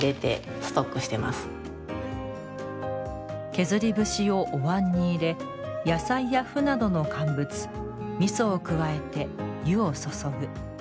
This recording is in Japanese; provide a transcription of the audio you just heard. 削り節をおわんに入れ野菜や麩などの乾物みそを加えて湯を注ぐ。